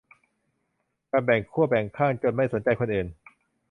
การแบ่งขั้วแบ่งข้างจนไม่สนใจคนอื่น